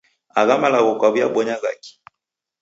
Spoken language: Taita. Agha malagho kwaw'iabonya ghaki?